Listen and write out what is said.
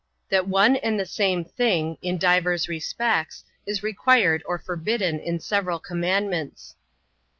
That one and the same thing, in divers respects, is required or forbidden in several commandments.